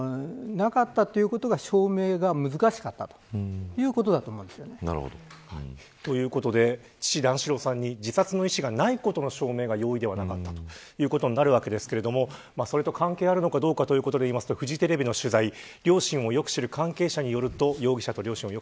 なかったいうことの証明が難しかったということだと思うんですよね。ということで父、段四郎さんに自殺の意思がないことの証明が容易ではなかったということになるわけですがそれと関係あるのかどうかということで言うとフジテレビの取材です。